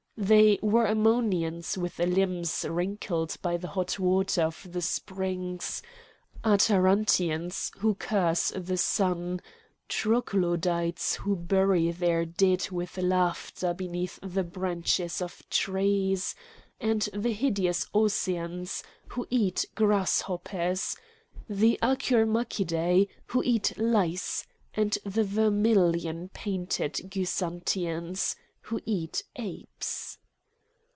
There were Ammonians with limbs wrinkled by the hot water of the springs; Atarantians, who curse the sun; Troglodytes, who bury their dead with laughter beneath branches of trees; and the hideous Auseans, who eat grass hoppers; the Achyrmachidæ, who eat lice; and the vermilion painted Gysantians, who eat apes.